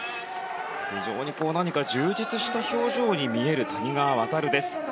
非常に何か充実した表情に見える谷川航です。